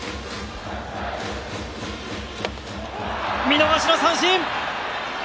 見逃しの三振。